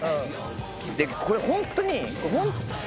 でこれホントに。